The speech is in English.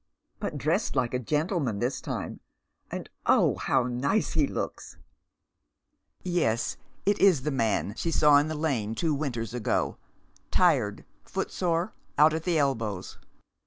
but dressed like a gentleman this time ; and oh, how nice he looks !" Yes, it is the man she saw in the lane two winters ago, tired, footsore, out at elbows.